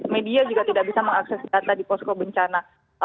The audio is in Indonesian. media juga tidak bisa mengakses data di posko bencana